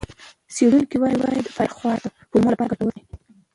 څېړونکي وایي چې فایبر خواړه د کولمو لپاره ګټور دي.